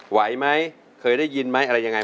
ไหวไหมเคยได้ยินไหมอะไรยังไง